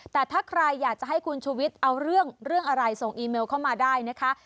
แต่ถ้าใครอยากจะให้คุณชุวิตเอาเรื่องเรื่องอะไรส่งอีเมลเข้ามาได้นะคะ